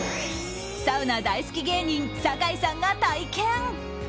サウナ大好き芸人酒井さんが体験。